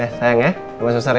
ya sayang ya jangan susah ya